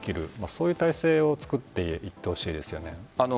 そういう体制を作っていってほしいですよね。